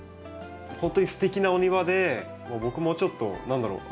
ほんとにすてきなお庭で僕もちょっと何だろう